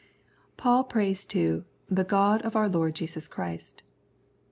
St. Paul prays to " the God of our Lord Jesus Christ."